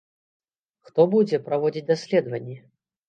Хто будзе праводзіць даследаванні?